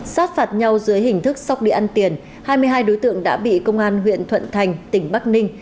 sát phạt nhau dưới hình thức sóc địa ăn tiền hai mươi hai đối tượng đã bị công an huyện thuận thành tỉnh bắc ninh